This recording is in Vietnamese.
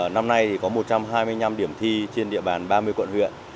năm nay thì có một trăm hai mươi năm điểm thi trên địa bàn ba mươi quận huyện